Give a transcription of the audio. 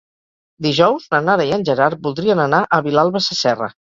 Dijous na Nara i en Gerard voldrien anar a Vilalba Sasserra.